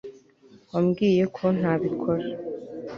wambwiye ko ntabikora